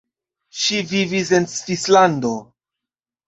Ŝi vivis en Svislando.